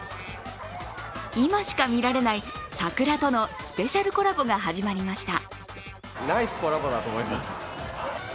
今しか見られない桜とのスペシャルコラボが始まりました。